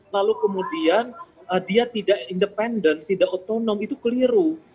lalu kemudian dia tidak independen tidak otonom itu keliru